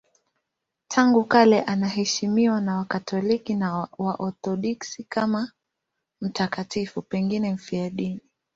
Tangu kale anaheshimiwa na Wakatoliki na Waorthodoksi kama mtakatifu, pengine mfiadini.